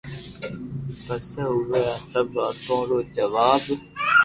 پسو اووي آ سب واتون رو جواب